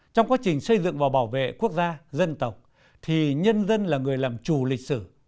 trong quá trình xây dựng và bảo vệ quốc gia dân tộc thì nhân dân là người làm chủ lịch sử